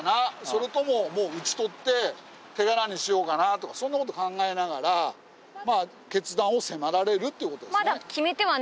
それとも討ち取って手柄にしようかな？とかそんな事を考えながら決断を迫られるっていう事ですね。